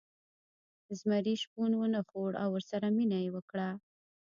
زمري شپون ونه خوړ او ورسره مینه یې وکړه.